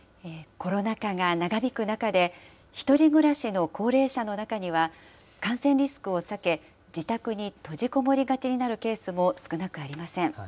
コロナ禍が長引く中で、１人暮らしの高齢者の中には、感染リスクを避け、自宅に閉じこもりがちになるケースも少なくありません。